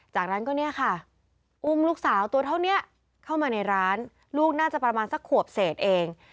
จากนั้นก็เนี่ยค่ะอุ้มลูกสาวตัวเท่านี้เข้ามาในร้านลูกน่าจะประมาณสักขวบเศษเอง